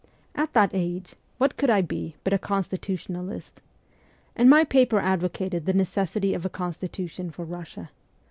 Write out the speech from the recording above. At that age, what could I be but a constitutionalist? and my paper advocated the necessity of a constitution for Russia.